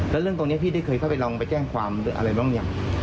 แล้วเรื่องตรงนี้พี่ได้เคยเข้าไปลองไปแจ้งความอะไรบ้างยัง